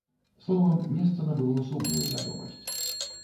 Словам, месца набыло сумную вядомасць.